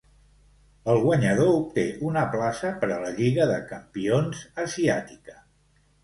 El guanyador obté una plaça per a la Lliga de Campions asiàtica.